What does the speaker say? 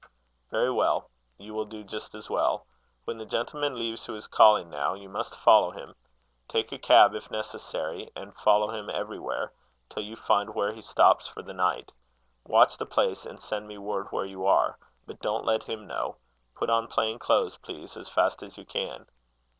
"Very well. You will do just as well. When the gentleman leaves who is calling now, you must follow him. Take a cab, if necessary, and follow him everywhere, till you find where he stops for the night. Watch the place, and send me word where you are. But don't let him know. Put on plain clothes, please, as fast as you can."